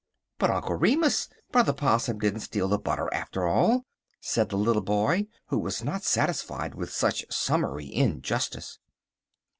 "But, Uncle Remus, Brother Possum didn't steal the butter after all," said the little boy, who was not at all satisfied with such summary injustice.